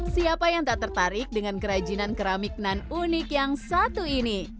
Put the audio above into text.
siapa yang tak tertarik dengan kerajinan keramik nan unik yang satu ini